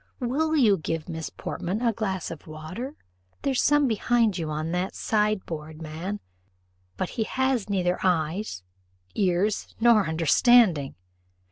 Will you give Miss Portman a glass of water? there's some behind you on that sideboard, man! but he has neither eyes, ears, nor understanding.